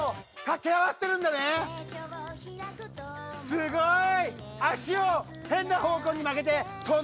すごい。